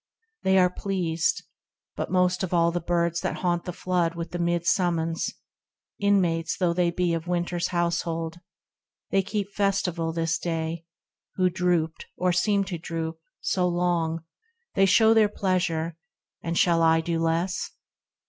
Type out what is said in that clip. — They are pleased, But most of all the birds that haunt the flood With the mild summons ; inmates though they be Of Winter's household, they keep festival This day, who drooped, or seemed to droop, so long ; They show their pleasure, and shall I do less